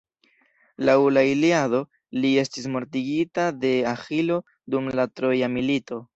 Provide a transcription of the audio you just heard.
Laŭ la Iliado, li estis mortigita de Aĥilo dum la troja milito.